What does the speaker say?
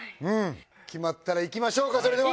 決まったらいきましょうかそれでは。